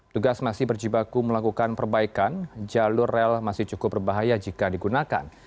tugas masih berjibaku melakukan perbaikan jalur rel masih cukup berbahaya jika digunakan